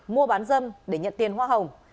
mua bán dâm để nhận tiền hoa hồng